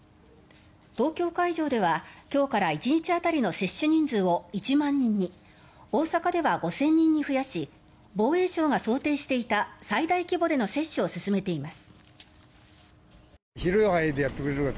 東京会場では今日から１日当たりの接種人数を１万人に大阪では５０００人に増やし防衛省が想定していた最大規模での接種を進めています。